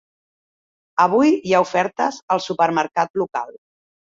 Avui hi ha ofertes al supermercat local.